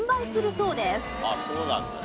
そうなんだね。